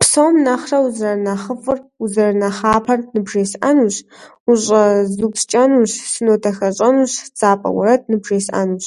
Псом нэхъырэ узэрынэхъыфӏыр, узэрынэхъапэр ныбжесӏэнущ, ущӏэзупскӏэнущ, сынодахэщӏэнущ, дзапэ уэрэд ныбжесӏэнущ.